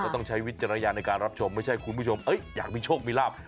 ต้องใช้วิจารณญาณในการรับชมไม่ใช่คุณผู้ชมอยากมีโชคมีลาบ